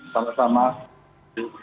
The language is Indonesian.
selamat siang mas